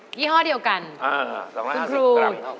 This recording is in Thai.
ยี่ห้อเดียวกันคุณครูศักดิ์๕๐กรัม